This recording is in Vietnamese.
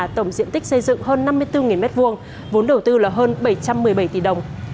tổng diện tích xây dựng hơn năm mươi bốn m hai vốn đầu tư là hơn bảy trăm một mươi bảy tỷ đồng